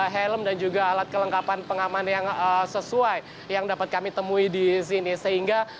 helm dan juga alat kelengkapan pengaman yang sesuai yang dapat kami temui di sini sehingga